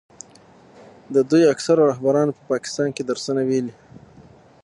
دوی اکثرو رهبرانو په پاکستان کې درسونه ویلي.